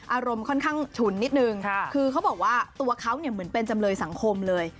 อารมณ์ค่อนข้างฉุนนิดนึงคือเขาบอกว่าตัวเขาเนี่ยเหมือนเป็นจำเลยสังคมเลย